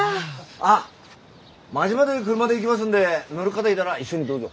あっ町まで車で行きますんで乗る方いたら一緒にどうぞ。